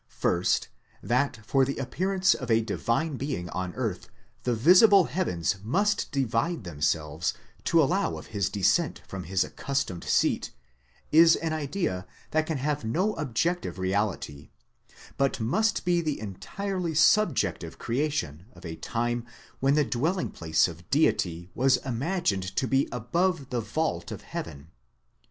First, that for the appearance of a divine being on earth, the visible heavens must divide themselves, to allow of his descent from his accustomed seat, is an idea that can have no objective reality, but must be the entirely subjective creation of a time when the dwelling place of Deity was imagined to be above the vault of heaven.